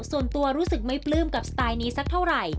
ส่วนตัวรู้สึกไม่ปลื้มกับสไตล์นี้สักเท่าไหร่